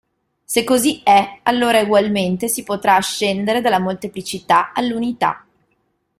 Se così è, allora egualmente si potrà ascendere dalla molteplicità all'unita.